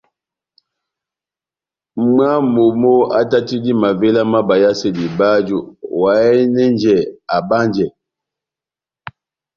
Mwána wa momó átátidi mavéla má bayasedi báju, oháyɛnɛjɛ abánjɛ,